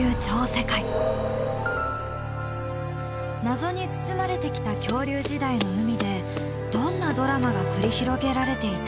謎に包まれてきた恐竜時代の海でどんなドラマが繰り広げられていたのか。